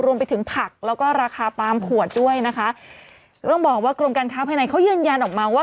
ผักแล้วก็ราคาปาล์มขวดด้วยนะคะต้องบอกว่ากรมการค้าภายในเขายืนยันออกมาว่า